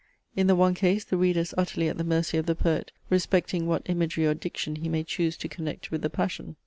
In the one case the reader is utterly at the mercy of the poet respecting what imagery or diction he may choose to connect with the passion."